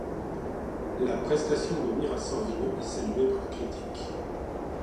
La prestation de Mira Sorvino est saluée par la critique.